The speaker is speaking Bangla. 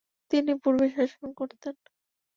তিনি পূর্বে শাসন করতেন।